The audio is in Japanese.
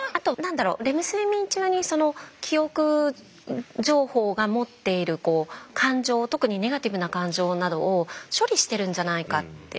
レム睡眠中に記憶情報が持っている感情特にネガティブな感情などを処理してるんじゃないかって。